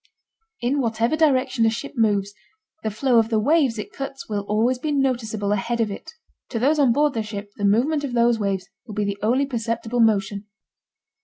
In whatever direction a ship moves, the flow of the waves it cuts will always be noticeable ahead of it. To those on board the ship the movement of those waves will be the only perceptible motion.